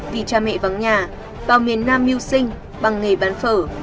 vì cha mẹ vắng nhà vào miền nam mưu sinh bằng nghề bán phở